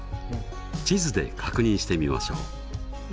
地図で確認してみましょう。